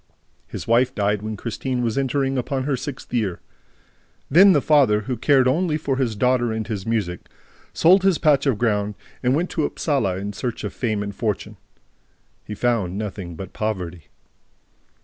His wife died when Christine was entering upon her sixth year. Then the father, who cared only for his daughter and his music, sold his patch of ground and went to Upsala in search of fame and fortune. He found nothing but poverty.